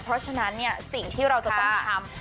เพราะฉะนั้นสิ่งที่เราจะต้องทำ